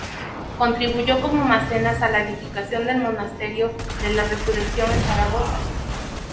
Contribuyó como mecenas a la edificación del Monasterio de la Resurrección en Zaragoza.